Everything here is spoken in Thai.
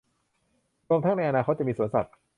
รวมทั้งในอนาคตจะมีสวนสัตว์